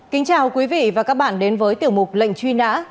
kính chào quý vị và các bạn đến với tiểu mục lệnh truy nã